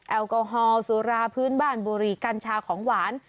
แอลกอฮอลสุราพื้นบ้านบุรีกัญชาของหวาน